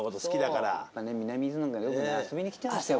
南伊豆なんかよく遊びに来てましたよ